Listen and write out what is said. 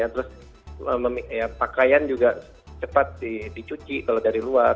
terus pakaian juga cepat dicuci kalau dari luar